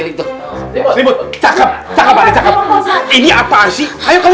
hai tuh kalau langsung aja kita tangkap ya iya ya bareng bareng aja ya abel itu